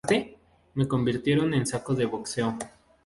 Me convirtieron en saco de boxeo.